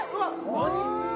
何！？